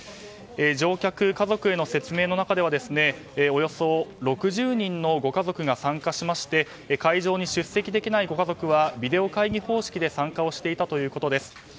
乗客家族への説明の中ではおよそ６０人のご家族が参加しまして会場に出席できないご家族はビデオ会議方式で参加をしていたということです。